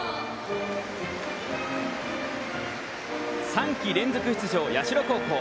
３季連続出場、社高校。